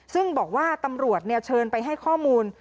ซึ่งบอกว่าตำรวจเชิญไปให้ข้อมูล